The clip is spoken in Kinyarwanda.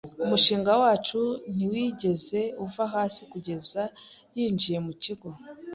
Umushinga wacu ntiwigeze uva hasi kugeza yinjiye mu kigo.